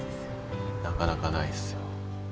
なかなかないですよ。